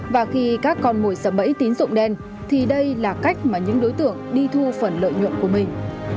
và khi các con mồi sập bẫy tín dụng đen thì đây là cách mà những đối tượng đi thu phần lợi nhuận của mình